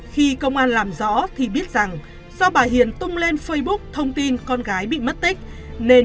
khi công an làm rõ thì biết rằng do bà hiền tung lên facebook thông tin con gái bị mất tích nên